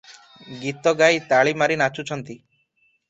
ଗୀତ ଗାଇ ତାଳି ମାରି ନାଚୁଛନ୍ତି ।